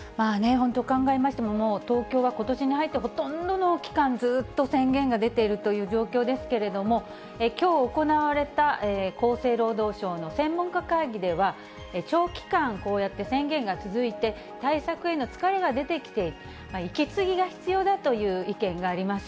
本当、考えましても、もう東京はことしに入ってほとんどの期間、ずっと宣言が出ているという状況ですけれども、きょう行われた厚生労働省の専門家会議では、長期間こうやって宣言が続いて、対策への疲れが出てきている、息継ぎが必要だという意見があります。